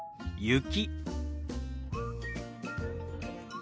雪。